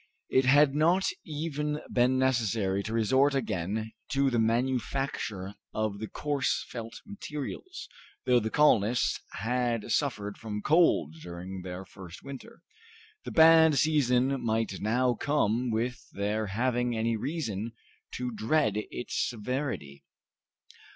It had not even been necessary to resort again to the manufacture of the coarse felt materials. Though the colonists had suffered from cold during their first winter, the bad season might now come without their having any reason to dread its severity.